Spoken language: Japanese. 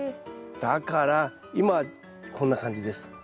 だから今はこんな感じです。